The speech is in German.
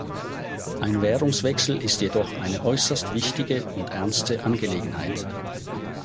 Ein Währungswechsel ist jedoch eine äußerst wichtige und ernste Angelegenheit.